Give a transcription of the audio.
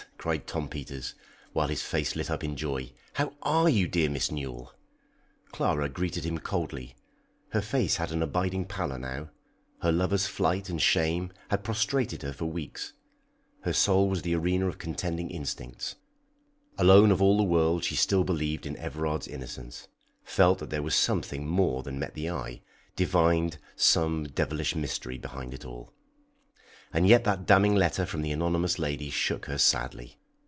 cried Tom Peters, while his face lit up in joy. "How are you, dear Miss Newell?" Clara greeted him coldly. Her face had an abiding pallor now. Her lover's flight and shame had prostrated her for weeks. Her soul was the arena of contending instincts. Alone of all the world she still believed in Everard's innocence, felt that there was something more than met the eye, divined some devilish mystery behind it all. And yet that damning letter from the anonymous lady shook her sadly.